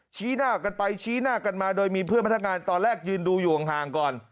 ชี้หน้ากันไปชี้หน้ากันมาโดยมีเพื่อนพนักงานตอนแรกยืนดูอยู่ห่างก่อน